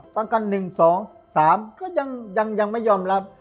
ประกัน๑๒๓ก็ยังไม่ยอมรับ